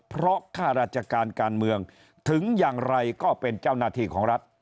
เพราะข้าราชการการเมืองถึงอย่างไรก็เป็นเจ้าหน้าที่ของรัฐ